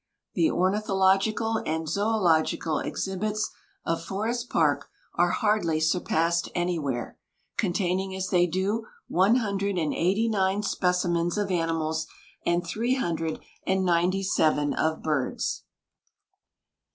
The ornithological and zoölogical exhibits of Forest Park are hardly surpassed anywhere, containing as they do one hundred and eighty nine specimens of animals and three hundred and ninety seven of birds.